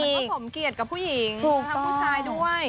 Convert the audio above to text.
แต่มันก็สมเกลียดกับผู้หญิงผู้ชายด้วย